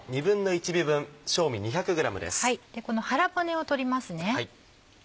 この腹骨を取りますね。